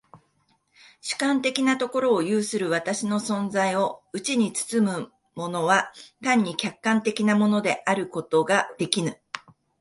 主観的なところを有する私の存在をうちに包むものは単に客観的なものであることができぬ。